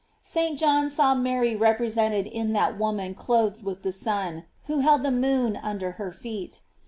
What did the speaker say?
St. John saw Mary represented in that woman clothed with the sun, who held the moon under her feet.